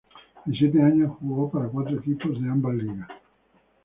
En siete años jugó para cuatro equipos de ambas ligas.